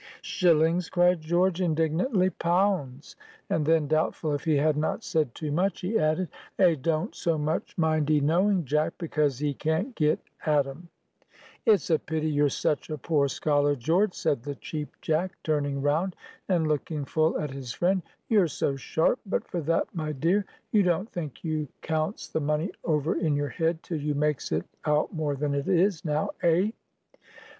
"Shillings!" cried George, indignantly; "pounds!" And then, doubtful if he had not said too much, he added, "A don't so much mind 'ee knowing, Jack, because 'ee can't get at 'em!" "It's a pity you're such a poor scholar, George," said the Cheap Jack, turning round, and looking full at his friend; "you're so sharp, but for that, my dear. You don't think you counts the money over in your head till you makes it out more than it is, now, eh?"